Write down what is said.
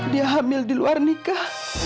dia hamil di luar nikah